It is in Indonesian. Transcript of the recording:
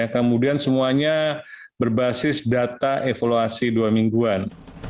kemudian semuanya berbasis data evaluasi dua mingguan